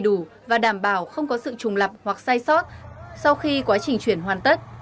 cơ quan y tế gaza đã đảm bảo không có sự trùng lập hoặc sai sót sau khi quá trình chuyển hoàn tất